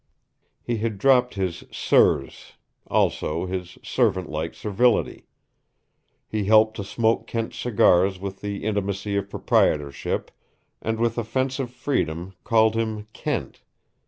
He had dropped his "sirs," also his servant like servility. He helped to smoke Kent's cigars with the intimacy of proprietorship, and with offensive freedom called him "Kent."